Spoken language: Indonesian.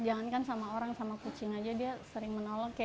jangan kan sama orang sama kucing aja dia sering menolong